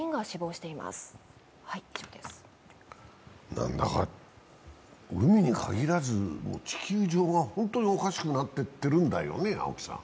何だか海にかぎらず地球上が本当におかしくなっていっているんだよね。